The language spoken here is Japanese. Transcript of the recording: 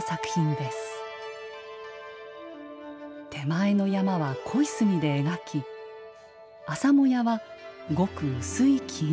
手前の山は濃い墨で描き朝もやはごく薄い金色。